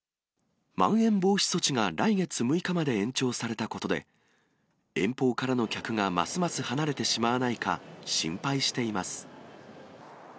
まん延防止措置が来月６日まで延長されたことで、遠方からの客がますます離れてしまわないか、心配しています。